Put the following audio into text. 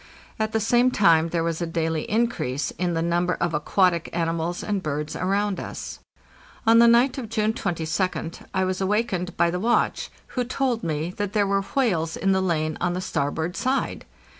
At the same time there was a daily increase in the number of aquatic animals and birds around us. On the night of June 22d I was awakened by the watch, who told me that there were whales in the lane on the starboard side.